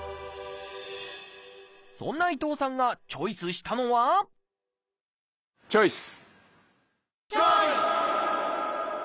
そんな伊藤さんがチョイスしたのはチョイス！